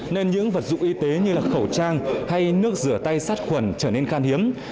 nên những vật dụng y tế như khẩu trang hay nước rửa tay sát khuẩn trở nên khan hiếm